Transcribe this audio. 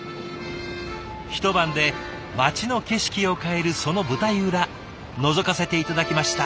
一晩で街の景色を変えるその舞台裏のぞかせて頂きました。